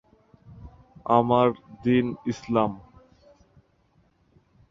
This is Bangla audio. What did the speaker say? রিচার্ড হ্যারিস জর্ডান এই নির্মাণ প্রকল্পের নেতৃত্ব দেন।